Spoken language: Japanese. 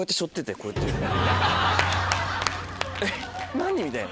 何⁉みたいな。